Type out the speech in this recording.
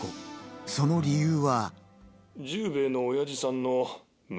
その理由は。